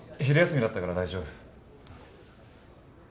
昼休みだったから大丈夫。